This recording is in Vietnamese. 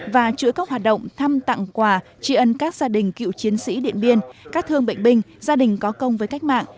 và chữa các hoạt động thăm tặng quà trị ân các gia đình cựu chiến sĩ điện biên các thương bệnh binh gia đình có công với cách mạng